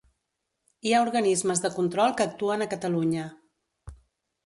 Hi ha organismes de control que actuen a Catalunya.